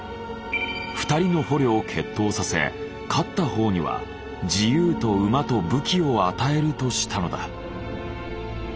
２人の捕虜を決闘させ勝った方には自由と馬と武器を与えるとしたのだ。